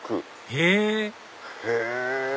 へぇへぇ。